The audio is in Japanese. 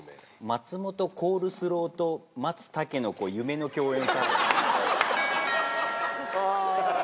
松本コールスローと松たけのこ夢の共演サラダ。